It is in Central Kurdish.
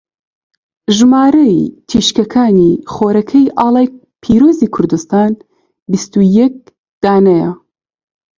ژمارەی تیشکەکانی خۆرەکەی ئاڵای پیرۆزی کوردستان بیستو یەک دانەیە.